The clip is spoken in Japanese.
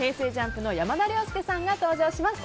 ＪＵＭＰの山田涼介さんが登場します。